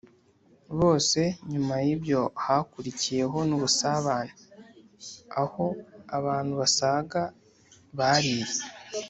bose. nyuma y’ibyo hakurikiyeho n’ubusabane, aho abantu basaga bariye,